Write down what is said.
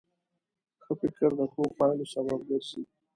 ښه فکر د ښو پایلو سبب ګرځي.